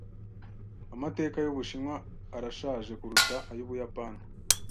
Amateka y'Ubushinwa arashaje kuruta ay'Ubuyapani.